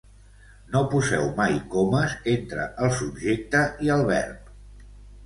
No poseu mai comes entre el subjecte i el verb.